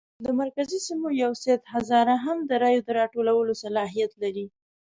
د مرکزي سیمو یو سید هزاره هم د رایو د راټولولو صلاحیت لري.